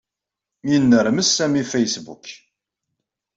Yennermes Sami Facebook.